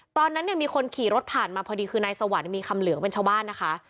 ตอนนั้นเนี่ยมีคนขี่รถผ่านมาพอดีคือนายสวรรค์มีคำเหลืองเป็นชาวบ้านนะคะ